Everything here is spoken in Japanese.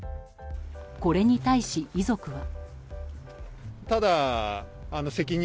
これに対し、遺族は。